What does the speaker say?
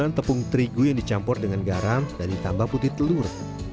dengan tepung terigu yang dicampur dengan garam dan ditambah putih telur